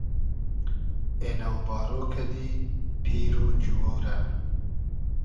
اېنۆ بارۉ کئدی پیر و جووۉ رۂ